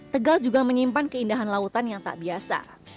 tegal juga menyimpan keindahan lautan yang tak biasa